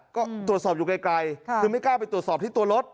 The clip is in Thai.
ก็ตรวจสอบอยู่ไกลคือไม่กล้าไปตรวจสอบที่ตัวรถ